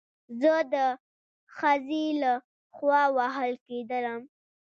زه د خځې له خوا وهل کېدلم